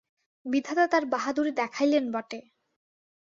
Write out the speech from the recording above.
বিধাতা তাঁর বাহাদুরি দেখাইলেন বটে!